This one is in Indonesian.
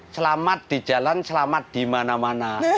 selamat di jalan selamat di mana mana